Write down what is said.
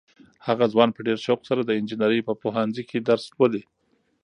هغه ځوان په ډېر شوق سره د انجنیرۍ په پوهنځي کې درس لولي.